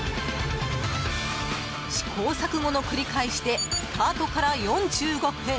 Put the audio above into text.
試行錯誤の繰り返しでスタートから４５分。